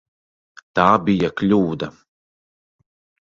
Tā bija kļūda.